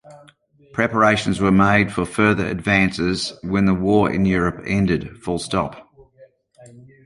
Preparations were made for further advances when the war in Europe ended.